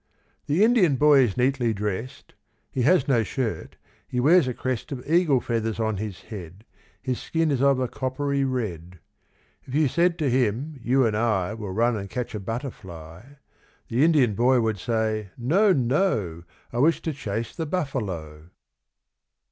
The Indian boy is neatly dressed; He has no shirt, he wears a crest Of eagle's feathers on his head, His skin is of a coppery red. If you said to him, "You and I Will run and catch a butterfly," The Indian boy would say, "No! No! I wish to chase the buffalo."